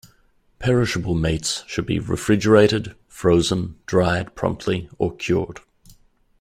Perishable meats should be refrigerated, frozen, dried promptly or cured.